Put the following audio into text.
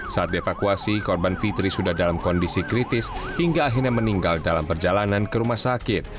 saat dievakuasi korban fitri sudah dalam kondisi kritis hingga akhirnya meninggal dalam perjalanan ke rumah sakit